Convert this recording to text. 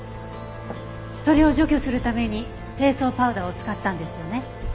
それを除去するために清掃パウダーを使ったんですよね？